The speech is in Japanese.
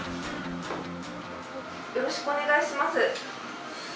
よろしくお願いします。